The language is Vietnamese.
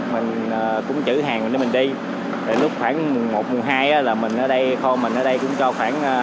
mình cũng trữ hàng để mình đi lúc khoảng mùng một mùng hai là mình ở đây kho mình ở đây cũng cho khoảng